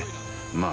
まあ